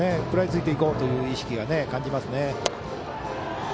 食らいついていこうという意識が感じますね。